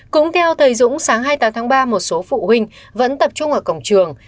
cũng theo thời dũng sáng hai mươi tám tháng ba một số phụ huynh vẫn tập trung ở cổng trường